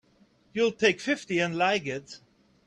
You'll take fifty and like it!